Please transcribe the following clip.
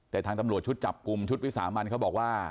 แต่ทางตำรวจชุดจับกลุ่มชุดวิสามันเขาบอกว่า